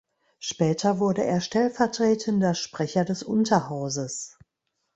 Später wurde er Stellvertretender Sprecher des Unterhauses.